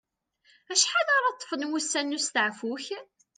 Acḥal ara ṭṭfen wussan n usteɛfu-k?